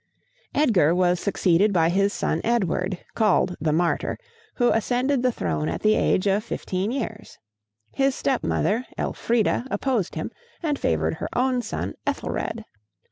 Edgar was succeeded by his son Edward, called "the Martyr," who ascended the throne at the age of fifteen years. His step mother, Elfrida, opposed him, and favored her own son, Ethelred.